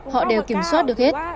họ đều kiểm soát được hết